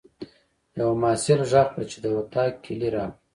یوه محصل غږ کړ چې د اطاق کیلۍ راکړه.